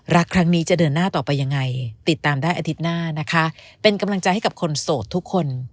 รักครั้งนี้จะเดินหน้าต่อไปยังไงติดตามได้อาทิตย์หน้านะคะเป็นกำลังใจให้กับคนโสดทุกคน